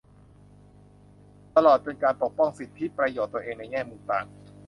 ตลอดจนการปกป้องสิทธิประโยชน์ตัวเองในแง่มุมต่าง